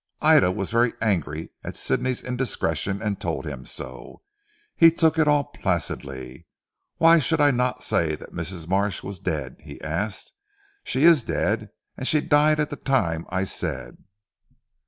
Ida was very angry at Sidney's indiscretion and told him so. He took it all placidly. "Why should I not say that Mrs. Marsh was dead?" he asked. "She is dead; and she died at the time I said."